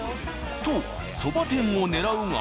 とそば店を狙うが。